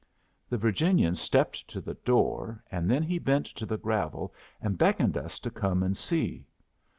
The Virginian stepped to the door, and then he bent to the gravel and beckoned us to come and see.